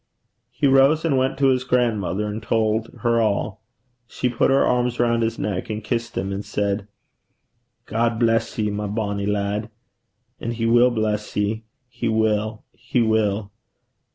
He rose and went to his grandmother and told her all. She put her arms round his neck, and kissed him, and said, 'God bless ye, my bonny lad. And he will bless ye. He will; he will.